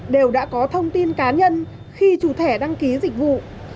đều đã có thông tin cá nhân khi chủ thẻ đăng ký dịch vụ